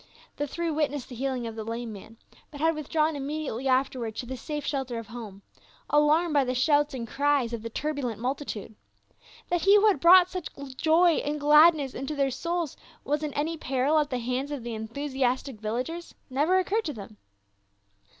The three witnessed the healing of the lame man, but had withdrawn immediately afterward to the safe shelter of home, alarmed by the shouts and cries of the turbulent multitude. That he who had brought such joy and gladness into their souls was in any peril at the hands of the enthusiastic villagers, never oc curred to them.